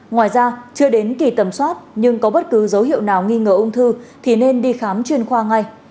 ngoài ra chưa đến kỳ tầm soát nhưng có bất cứ dấu hiệu nào nghi ngờ ung thư thì nên đi khám chuyên khoa ngay